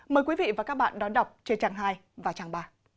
mời quý vị và các bạn đón đọc trên trang hai và trang ba